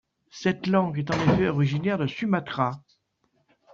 Cette langue est en effet originaire de Sumatra.